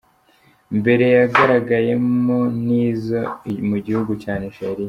mbere yagaragayemo ni izo mu gihugu cya Nigeriya.